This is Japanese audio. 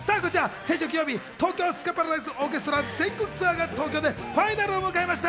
先週金曜日、東京スカパラダイスオーケストラの全国ツアーが東京でファイナルを迎えました。